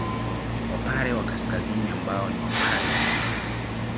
Wapare wa Kaskazini ambao ni Wapare wa Mwanga